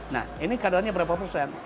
nah ini kadarnya berapa persen